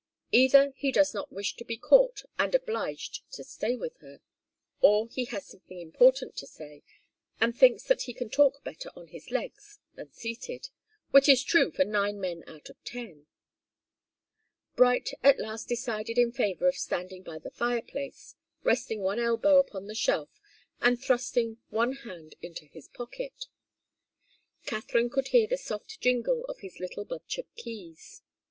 Either he does not wish to be caught and obliged to stay with her, or he has something important to say, and thinks that he can talk better on his legs than seated, which is true for nine men out of ten. Bright at last decided in favour of standing by the fireplace, resting one elbow upon the shelf and thrusting one hand into his pocket. Katharine could hear the soft jingle of his little bunch of keys.